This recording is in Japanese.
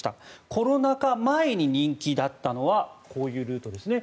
コロナ禍前に人気だったのはこういうルートですね。